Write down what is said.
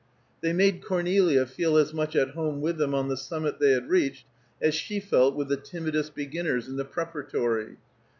They made Cornelia feel as much at home with them on the summit they had reached, as she felt with the timidest beginners in the Preparatory.